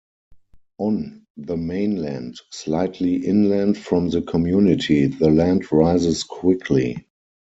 On the mainland, slightly inland from the community, the land rises quickly.